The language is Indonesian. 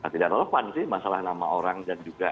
tidak relevan sih masalah nama orang dan juga